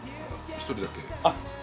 １人だけ。